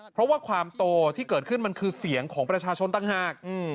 เพราะว่าความโตที่เกิดขึ้นมันคือเสียงของประชาชนต่างหาก